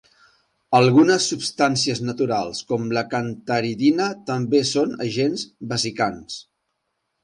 Algunes substàncies naturals com la cantaridina també són agents vesicants.